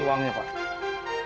ini uangnya pak